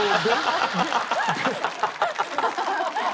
ハハハハ！